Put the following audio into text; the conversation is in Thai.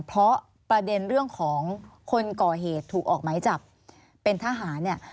เพราะประเด็นเรื่องของคนก่อเหตุถูกออกไหมจับเป็นทหารเนี่ย